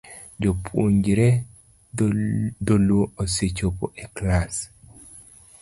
Japuonj dholuo osechopo e klas